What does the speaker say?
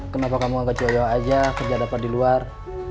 kenapa kamu gak kecoyok aja kerja dapat di luar